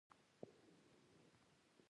او یا خو رنګ وای د ښکلي مخ زه